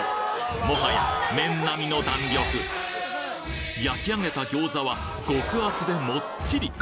もはや麺並みの弾力焼き上げた餃子は極厚でもっちり！